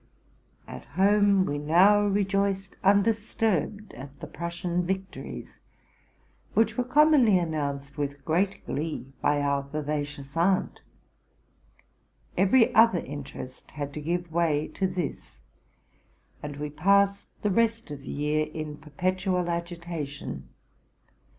At home we now rejoiced undisturbed at the Prussian victories, which were commonly announced with great glee by our vivacious aunt. Every other interest had to give way to this, and we passed the rest of the year in perpetual agitation.